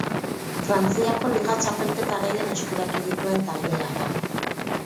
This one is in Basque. Frantziako Liga txapelketa gehien eskuratu dituen taldea da.